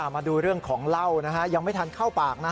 มาดูเรื่องของเหล้านะฮะยังไม่ทันเข้าปากนะ